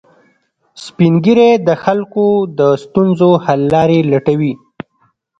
سپین ږیری د خلکو د ستونزو حل لارې لټوي